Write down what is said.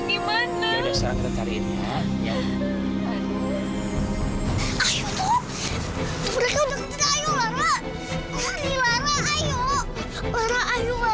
gimana sih udah malem lagi